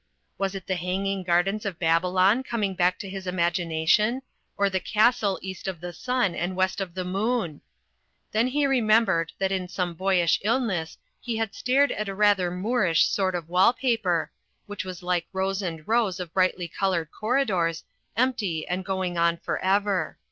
Was it the Hanging Gardens of Babylon coming back to his imagination ; or the Castle East of the Sun and West of the Moon? Then he remembered that in some boyish illness he had stared at a rather Moorish sort of wall paper, which was like rows and rows of brightly coloured corridors, empty and going on forever.